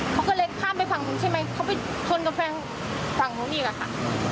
เค้าก็เลยข้ามไปทางตรงนี้ใช่ไหมว่าเค้าไปต้นกำแพงตรงนี้แหละค่ะ